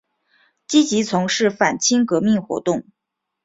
积极从事反清革命活动。